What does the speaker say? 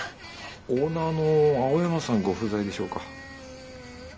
オーナーの青山さんご不在でしょうか？